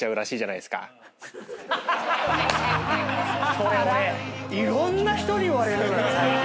それ俺いろんな人に言われるのよ最近。